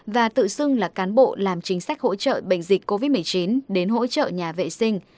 và tự xưng là cán bộ làm chính sách hỗ trợ bệnh dịch covid một mươi chín đến hỗ trợ nhà vệ sinh